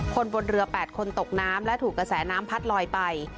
คนบนเรือ๘คนตกน้ำและถูกกระแสน้ำพัดลอยไป